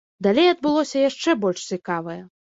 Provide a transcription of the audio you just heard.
Далей адбылося яшчэ больш цікавае.